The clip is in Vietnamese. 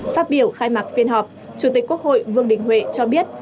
phát biểu khai mạc phiên họp chủ tịch quốc hội vương đình huệ cho biết